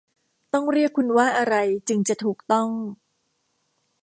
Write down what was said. ต้องเรียกคุณว่าอะไรจึงจะถูกต้อง ?